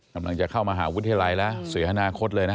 กำลังจะเข้ามหาวิทยาลัยแล้วเสียอนาคตเลยนะ